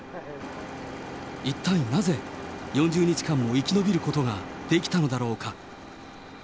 一体なぜ、４０日間も生き延びることができたのだろうか。